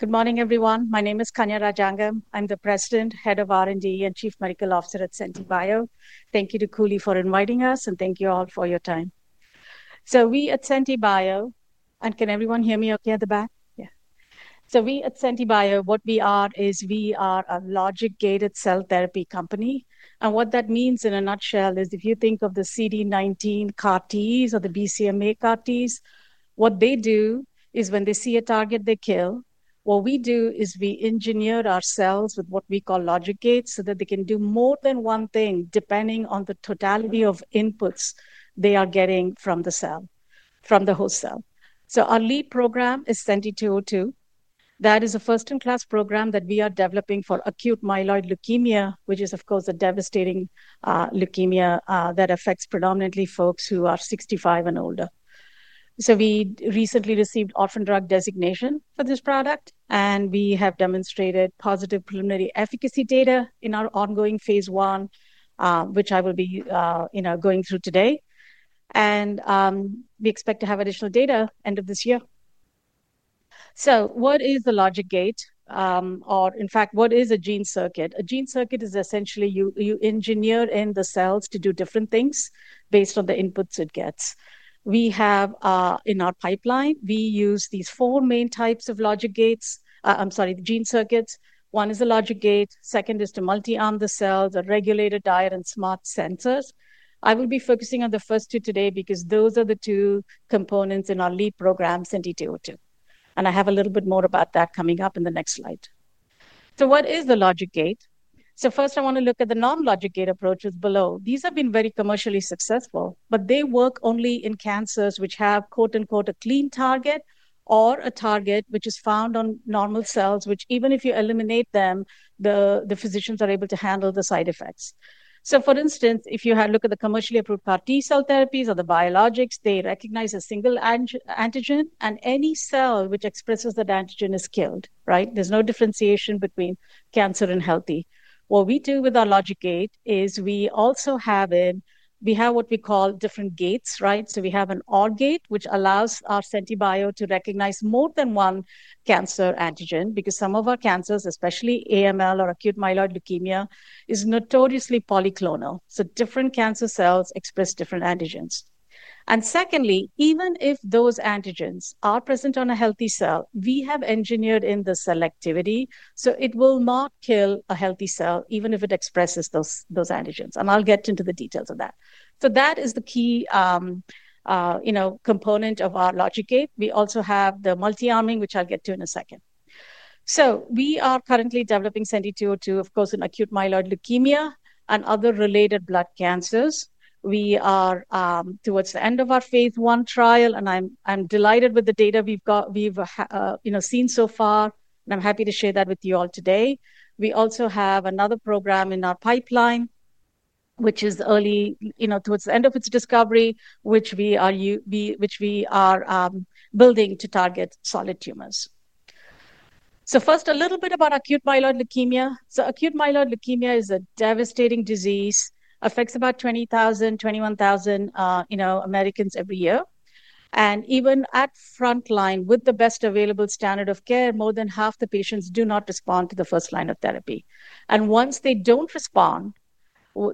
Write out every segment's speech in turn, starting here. Good morning, everyone. My name is Kanya Rajangam. I'm the President, Head of R&D, and Chief Medical Officer at Senti Biosciences. Thank you to Kuli for inviting us, and thank you all for your time. We at Senti Biosciences, can everyone hear me okay at the back? Yeah. We at Senti Biosciences are a logic-gated cell therapy company. What that means in a nutshell is if you think of the CD19 CAR-Ts or the BCMA CAR-Ts, what they do is when they see a target, they kill. What we do is we engineer our cells with what we call logic gates so that they can do more than one thing depending on the totality of inputs they are getting from the cell, from the host cell. Our lead program is SENTI-202. That is a first-in-class program that we are developing for acute myeloid leukemia, which is, of course, a devastating leukemia that affects predominantly folks who are 65 and older. We recently received an orphan drug designation for this product, and we have demonstrated positive preliminary efficacy data in our ongoing phase 1 clinical trial, which I will be going through today. We expect to have additional data end of this year. What is the logic gate? In fact, what is a gene circuit? A gene circuit is essentially you engineer in the cells to do different things based on the inputs it gets. In our pipeline, we use these four main types of gene circuits. One is the logic gate. Second is to multi-arm the cells, a regulated diet, and smart sensors. I will be focusing on the first two today because those are the two components in our lead program, SENTI-202. I have a little bit more about that coming up in the next slide. What is the logic gate? First, I want to look at the non-logic gate approaches below. These have been very commercially successful, but they work only in cancers which have, quote unquote, a clean target or a target which is found on normal cells, which even if you eliminate them, the physicians are able to handle the side effects. For instance, if you had a look at the commercially approved CAR-T cell therapies or the biologics, they recognize a single antigen, and any cell which expresses that antigen is killed, right? There's no differentiation between cancer and healthy. What we do with our logic gate is we also have in, we have what we call different gates, right? We have an OR gate which allows our Senti Biosciences to recognize more than one cancer antigen because some of our cancers, especially AML or acute myeloid leukemia, are notoriously polyclonal. Different cancer cells express different antigens. Secondly, even if those antigens are present on a healthy cell, we have engineered in the selectivity, so it will not kill a healthy cell even if it expresses those antigens. I'll get into the details of that. That is the key component of our logic gate. We also have the multi-arming, which I'll get to in a second. We are currently developing SENTI-202, of course, in acute myeloid leukemia and other related blood cancers. We are towards the end of our phase 1 trial, and I'm delighted with the data we've got, we've seen so far, and I'm happy to share that with you all today. We also have another program in our pipeline, which is early, towards the end of its discovery, which we are building to target solid tumors. First, a little bit about acute myeloid leukemia. Acute myeloid leukemia is a devastating disease, affects about 20,000, 21,000 Americans every year. Even at front line with the best available standard of care, more than half the patients do not respond to the first line of therapy. Once they don't respond,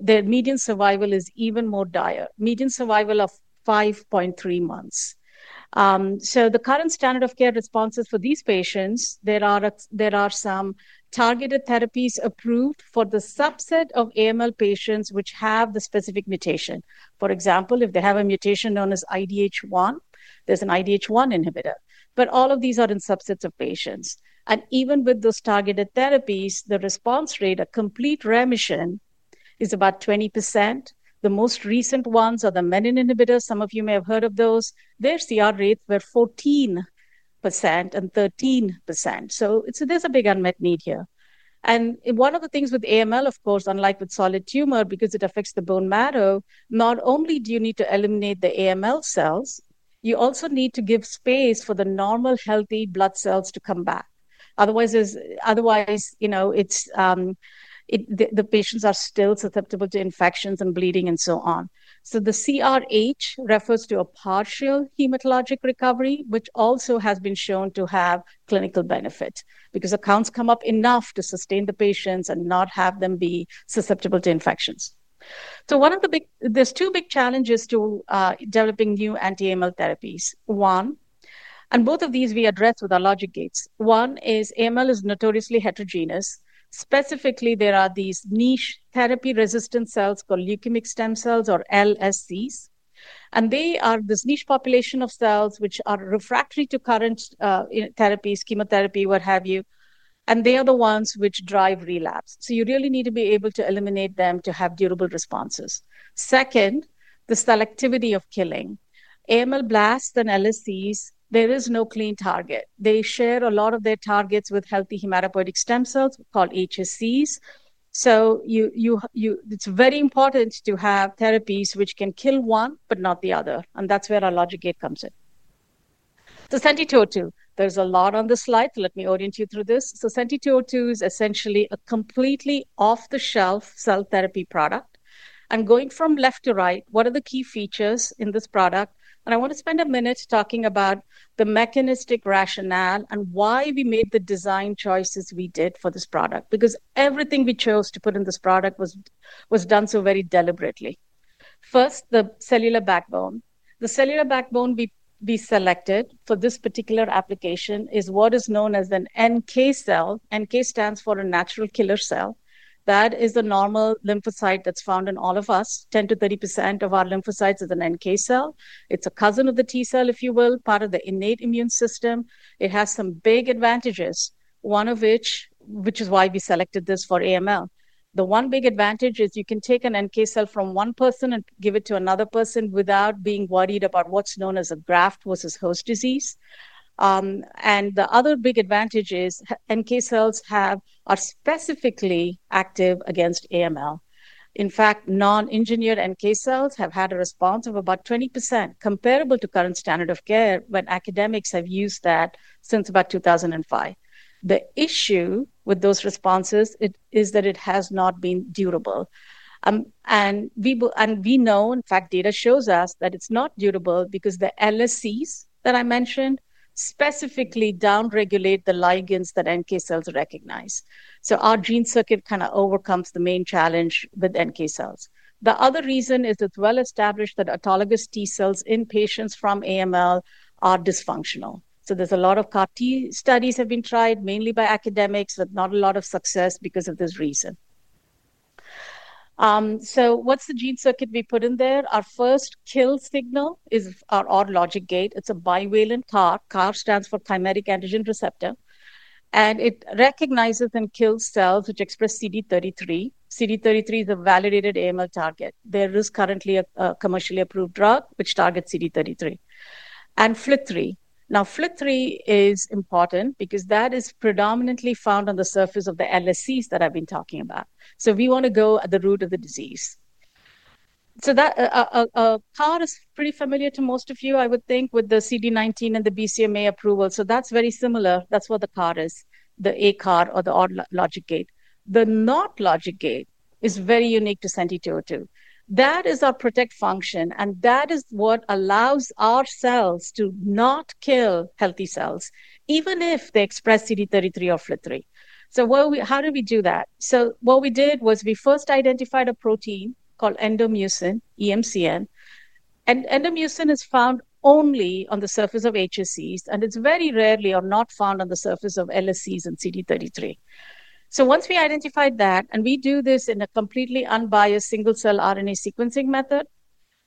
their median survival is even more dire, median survival of 5.3 months. The current standard of care responses for these patients, there are some targeted therapies approved for the subset of AML patients which have the specific mutation. For example, if they have a mutation known as IDH1, there's an IDH1 inhibitor. All of these are in subsets of patients. Even with those targeted therapies, the response rate of complete remission is about 20%. The most recent ones are the menin inhibitors. Some of you may have heard of those. Their CR rates were 14% and 13%. There's a big unmet need here. One of the things with AML, unlike with solid tumor, because it affects the bone marrow, not only do you need to eliminate the AML cells, you also need to give space for the normal healthy blood cells to come back. Otherwise, the patients are still susceptible to infections and bleeding and so on. The CRH refers to a partial hematologic recovery, which also has been shown to have clinical benefit because the counts come up enough to sustain the patients and not have them be susceptible to infections. One of the big, there are two big challenges to developing new anti-AML therapies. Both of these we address with our logic gates. One is AML is notoriously heterogeneous. Specifically, there are these niche therapy-resistant cells called leukemic stem cells or LSCs. They are this niche population of cells which are refractory to current therapies, chemotherapy, what have you. They are the ones which drive relapse. You really need to be able to eliminate them to have durable responses. Second, the selectivity of killing. AML blasts and LSCs, there is no clean target. They share a lot of their targets with healthy hematopoietic stem cells called HSCs. It is very important to have therapies which can kill one, but not the other. That is where our logic gate comes in. The SENTI-202, there is a lot on this slide. Let me orient you through this. SENTI-202 is essentially a completely off-the-shelf cell therapy product. I am going from left to right. What are the key features in this product? I want to spend a minute talking about the mechanistic rationale and why we made the design choices we did for this product. Everything we chose to put in this product was done so very deliberately. First, the cellular backbone. The cellular backbone we selected for this particular application is what is known as an NK cell. NK stands for a natural killer cell. That is the normal lymphocyte that is found in all of us. 10% to 30% of our lymphocytes is an NK cell. It is a cousin of the T cell, if you will, part of the innate immune system. It has some big advantages, one of which is why we selected this for AML. The one big advantage is you can take an NK cell from one person and give it to another person without being worried about what is known as a graft versus host disease. The other big advantage is NK cells are specifically active against AML. In fact, non-engineered NK cells have had a response of about 20% comparable to current standard of care when academics have used that since about 2005. The issue with those responses is that it has not been durable. We know, in fact, data shows us that it's not durable because the LSCs that I mentioned specifically downregulate the ligands that NK cells recognize. Our gene circuit kind of overcomes the main challenge with NK cells. The other reason is it's well established that autologous T cells in patients from AML are dysfunctional. There's a lot of CAR-T studies that have been tried mainly by academics, but not a lot of success because of this reason. What's the gene circuit we put in there? Our first kill signal is our OR logic gate. It's a bivalent CAR. CAR stands for chimeric antigen receptor, and it recognizes and kills cells which express CD33. CD33 is a validated AML target. There is currently a commercially approved drug which targets CD33 and FLT3. FLT3 is important because that is predominantly found on the surface of the LSCs that I've been talking about. We want to go at the root of the disease. A CAR is pretty familiar to most of you, I would think, with the CD19 and the BCMA approval. That's very similar. That's what the CAR is, the A-CAR or the OR logic gate. The NOT logic gate is very unique to SENTI-202. That is our protect function, and that is what allows our cells to not kill healthy cells, even if they express CD33 or FLT3. How do we do that? What we did was we first identified a protein called endomucin, EMCN. Endomucin is found only on the surface of HSCs, and it's very rarely or not found on the surface of LSCs and CD33. Once we identified that, and we do this in a completely unbiased single-cell RNA sequencing method,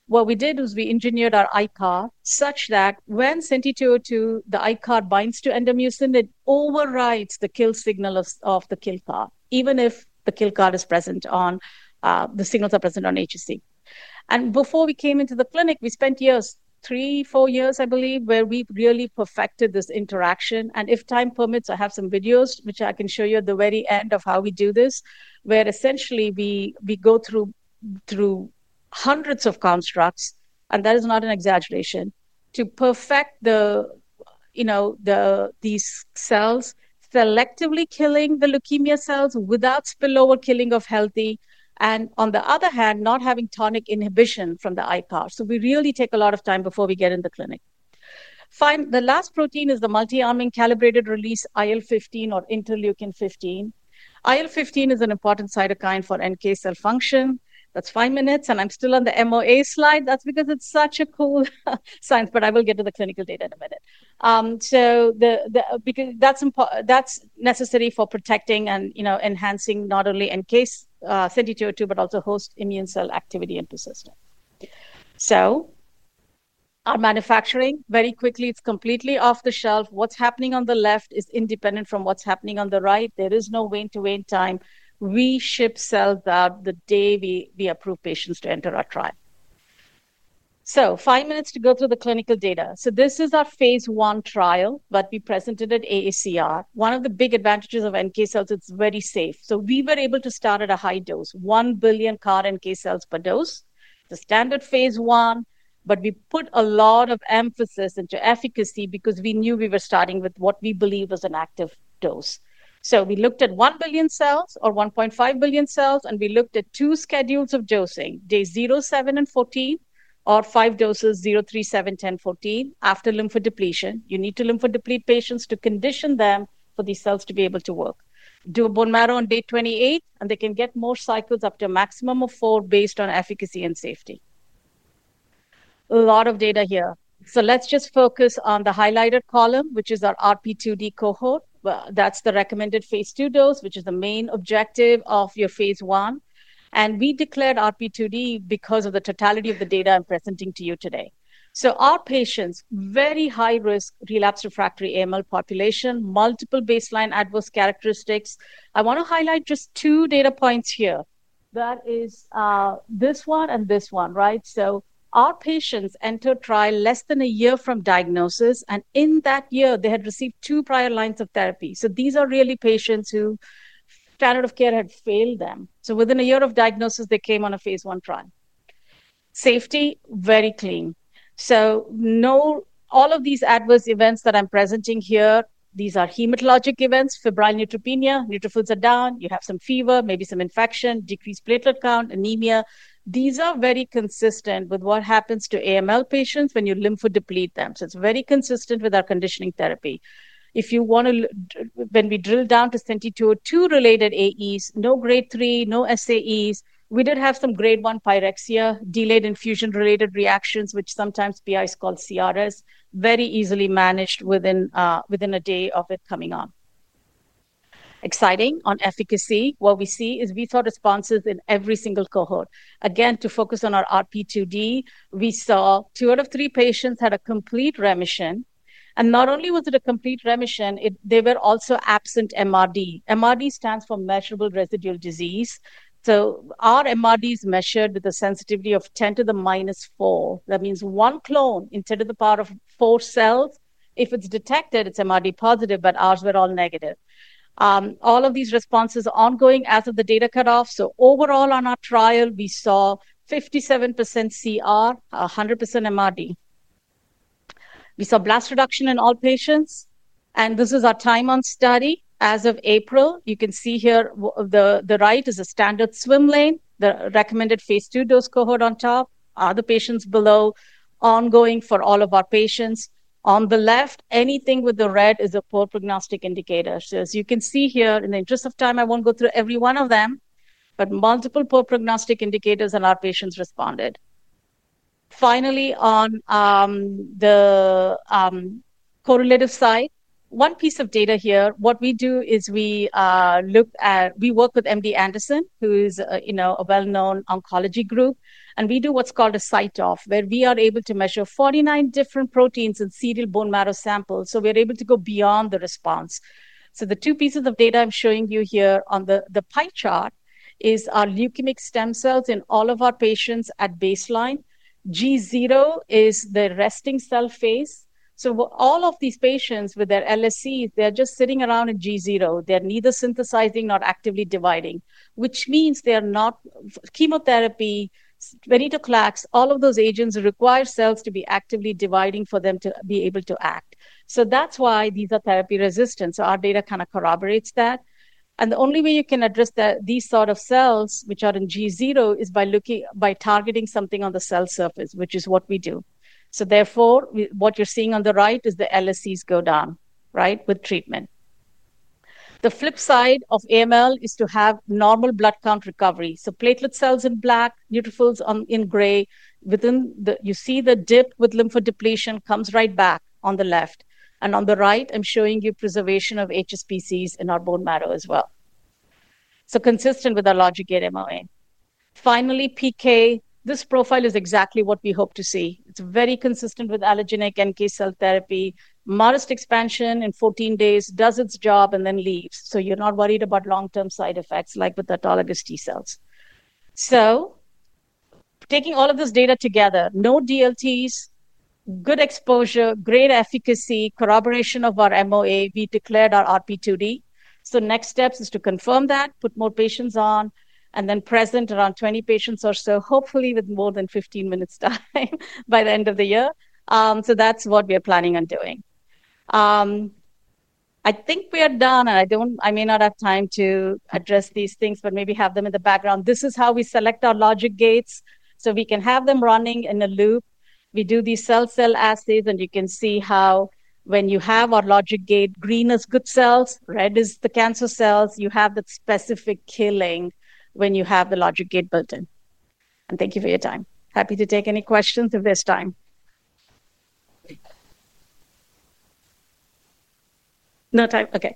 what we did was we engineered our I-CAR such that when SENTI-202, the I-CAR binds to endomucin, it overrides the kill signal of the Kill-CAR, even if the Kill-CAR is present on, the signals are present on HSC. Before we came into the clinic, we spent years, three, four years, I believe, where we really perfected this interaction. If time permits, I have some videos which I can show you at the very end of how we do this, where essentially we go through hundreds of constructs, and that is not an exaggeration, to perfect these cells, selectively killing the leukemia cells without spillover killing of healthy, and on the other hand, not having tonic inhibition from the I-CAR. We really take a lot of time before we get in the clinic. The last protein is the multi-arming calibrated release IL-15 or interleukin-15. IL-15 is an important cytokine for NK cell function. That's five minutes, and I'm still on the MOA slide. That's because it's such a cool science, but I will get to the clinical data in a minute. That's necessary for protecting and, you know, enhancing not only NK, SENTI-202, but also host immune cell activity and persistence. Our manufacturing, very quickly, it's completely off the shelf. What's happening on the left is independent from what's happening on the right. There is no vein-to-vein time. We ship cells out the day we approve patients to enter our trial. Five minutes to go through the clinical data. This is our phase 1 clinical trial that we presented at AACR. One of the big advantages of NK cells, it's very safe. We were able to start at a high dose, 1 billion CAR NK cells per dose. It's a standard phase 1, but we put a lot of emphasis into efficacy because we knew we were starting with what we believe was an active dose. We looked at 1 billion cells or 1.5 billion cells, and we looked at two schedules of dosing, day 0, 7, and 14, or five doses 0, 3, 7, 10, 14. After lymphodepletion, you need to lymphodeplete patients to condition them for these cells to be able to work. Do a bone marrow on day 28, and they can get more cycles up to a maximum of four based on efficacy and safety. A lot of data here. Let's just focus on the highlighted column, which is our RP2D cohort. That's the recommended phase 2 dose, which is the main objective of your phase 1. We declared RP2D because of the totality of the data I'm presenting to you today. Our patients, very high-risk relapse refractory AML population, multiple baseline adverse characteristics. I want to highlight just two data points here. That is this one and this one, right? Our patients enter trial less than a year from diagnosis, and in that year, they had received two prior lines of therapy. These are really patients whose standard of care had failed them. Within a year of diagnosis, they came on a phase 1 clinical trial. Safety, very clean. All of these adverse events that I'm presenting here, these are hematologic events, febrile neutropenia, neutrophils are down, you have some fever, maybe some infection, decreased platelet count, anemia. These are very consistent with what happens to AML patients when you lymphodeplete them. It's very consistent with our conditioning therapy. When we drill down to SENTI-202-related AEs, no grade 3, no SAEs. We did have some grade 1 pyrexia, delayed infusion-related reactions, which sometimes PIs call CRS, very easily managed within a day of it coming on. Exciting on efficacy, what we see is we saw responses in every single cohort. Again, to focus on our RP2D, we saw two out of three patients had a complete remission. Not only was it a complete remission, they were also absent MRD. MRD stands for measurable residual disease. Our MRD is measured with a sensitivity of 10 to the minus four. That means one clone in 10 to the power of four cells. If it's detected, it's MRD positive, but ours were all negative. All of these responses are ongoing as of the data cutoff. Overall on our trial, we saw 57% CR, 100% MRD. We saw blast reduction in all patients. This is our time on study. As of April, you can see here the right is a standard swim lane, the recommended phase 2 dose cohort on top, other patients below, ongoing for all of our patients. On the left, anything with the red is a poor prognostic indicator. As you can see here, in the interest of time, I won't go through every one of them, but multiple poor prognostic indicators and our patients responded. Finally, on the correlative side, one piece of data here, what we do is we look at, we work with MD Anderson Cancer Center, who is a well-known oncology group. We do what's called a site off, where we are able to measure 49 different proteins in serial bone marrow samples. We're able to go beyond the response. The two pieces of data I'm showing you here on the pie chart are our leukemic stem cells in all of our patients at baseline. G0 is the resting cell phase. All of these patients with their LSCs, they're just sitting around in G0. They're neither synthesizing nor actively dividing, which means they're not chemotherapy, venetoclax, all of those agents require cells to be actively dividing for them to be able to act. That's why these are therapy resistant. Our data kind of corroborates that. The only way you can address these sort of cells, which are in G0, is by looking, by targeting something on the cell surface, which is what we do. Therefore, what you're seeing on the right is the LSCs go down, right, with treatment. The flip side of AML is to have normal blood count recovery. Platelet cells in black, neutrophils in gray, within the, you see the dip with lymphodepletion comes right back on the left. On the right, I'm showing you preservation of HSCs in our bone marrow as well, consistent with our logic gate MOA. Finally, PK, this profile is exactly what we hope to see. It's very consistent with allogeneic NK cell therapy. Modest expansion in 14 days does its job and then leaves. You're not worried about long-term side effects like with autologous T cells. Taking all of this data together, no DLTs, good exposure, great efficacy, corroboration of our MOA, we declared our RP2D. Next steps are to confirm that, put more patients on, and then present around 20 patients or so, hopefully with more than 15 minutes time by the end of the year. That's what we are planning on doing. I think we are done. I may not have time to address these things, but maybe have them in the background. This is how we select our logic gates. We can have them running in a loop. We do these cell-cell assays, and you can see how when you have our logic gate, green is good cells, red is the cancer cells. You have the specific killing when you have the logic gate built in. Thank you for your time. Happy to take any questions at this time. No time? Okay.